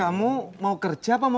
aku mau air bang